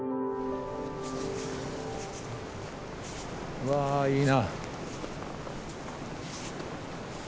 うわいいな。